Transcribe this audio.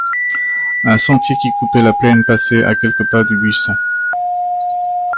Un sentier qui coupait la plaine passait à quelques pas du buisson.